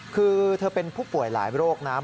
คือเธอเป็นผู้ป่วยหลายโรคนะ